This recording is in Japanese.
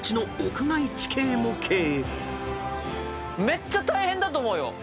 めっちゃ大変だと思うよ。